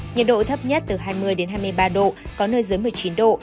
nhiệt độ thấp nhất từ hai mươi hai mươi ba độ có nơi dưới một mươi chín độ